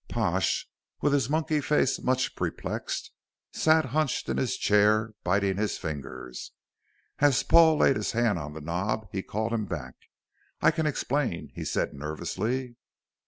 Pash, with his monkey face much perplexed, sat hunched in his chair, biting his fingers. As Paul laid his hand on the knob, he called him back. "I can explain," he said nervously.